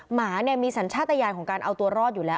หมาเนี่ยมีสัญชาติยานของการเอาตัวรอดอยู่แล้ว